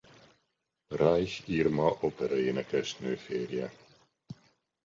Reich Irma opera-énekesnő férje.